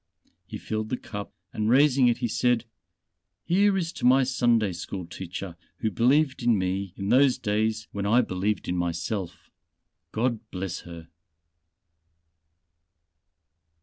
He filled the cup and raising it he said: "Here is to my Sunday school teacher who believed in me in those days when I believed in myself. God bless her."